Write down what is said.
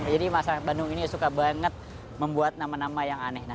jadi masyarakat bandung ini suka banget membuat nama nama yang aneh